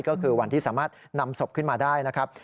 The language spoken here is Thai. ก็คือวันที่สามารถนำศพขึ้นมาได้นะครับ